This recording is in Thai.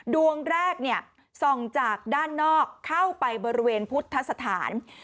ดวงแรกเนี้ยส่องจากด้านนอกเข้าไปบริเวณพุทธศาสตร์